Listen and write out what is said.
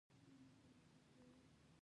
هغې د زړه له کومې د خوب ستاینه هم وکړه.